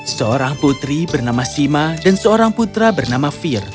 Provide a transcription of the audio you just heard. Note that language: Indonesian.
seorang putri bernama sima dan seorang putra bernama fir